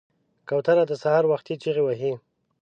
کوتره د سهار وختي چغې وهي.